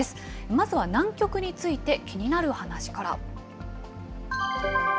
まずは南極について気になる話から。